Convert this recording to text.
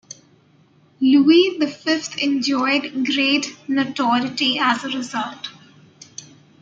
Louis the Fifth enjoyed great notoriety as a result.